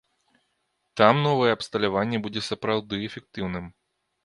Там новае абсталяванне будзе сапраўды эфектыўным.